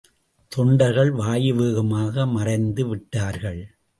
தொண்டர்கள் வாயுவேகமாக மறைந்து விட்டார்கள்.